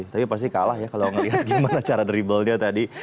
tapi pasti kalah ya kalau ngelihat gimana cara dribblenya tadi